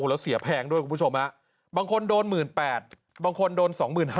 แล้วเสียแพงด้วยคุณผู้ชมบางคนโดน๑๘๐๐บางคนโดน๒๕๐๐